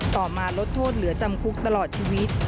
มาลดโทษเหลือจำคุกตลอดชีวิต